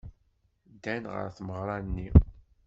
Ddan ɣer tmeɣra-nni.